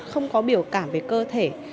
không có biểu cảm về cơ thể